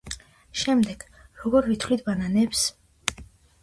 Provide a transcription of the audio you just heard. შემდეგ: როგორ ვითვლით ბანანებს?